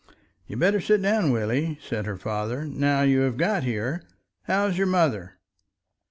"You'd better sit down, Willie," said her father; "now you have got here. How's your mother?"